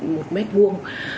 một mét buông